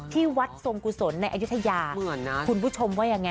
ที่วัดโซโมโกูสนในอายุธยาคุณผู้ชมว่ายังไง